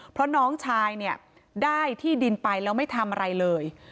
เพราะน้องชายเนี่ยได้ที่ดินไปแล้วไม่ทำอะไรเลย